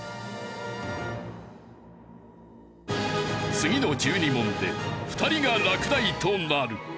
次の１２問で２人が落第となる。